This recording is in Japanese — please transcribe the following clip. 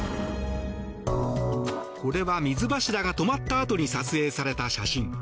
これは水柱が止まったあとに撮影された写真。